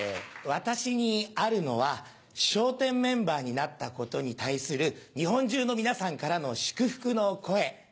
私にあるのは笑点メンバーになったことに対する日本中の皆さんからの祝福の声。